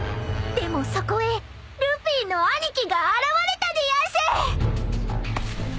［でもそこへルフィの兄貴が現れたでやんす］